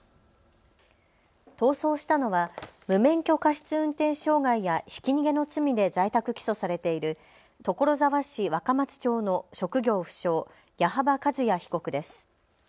逃走したのは無免許過失運転傷害やひき逃げの罪で在宅起訴されている所沢市若松町の職業不詳、矢幅一彌被告です。